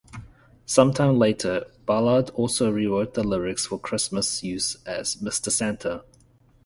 Some time later, Ballard also rewrote the lyrics for Christmas use as "Mr. Santa".